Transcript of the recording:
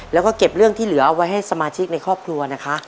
แล้วก็เก็บเรื่องที่เหลือเอาไว้ให้สมาชิกในครอบครัวนะคะ